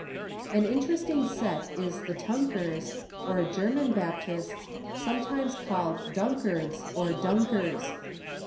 An interesting sect is the Tunkers, or German Baptists, sometimes called Dunkards, or Dunkers.